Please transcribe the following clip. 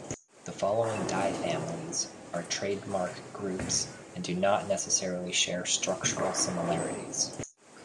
The following dye families are trademark groups, and do not necessarily share structural similarities.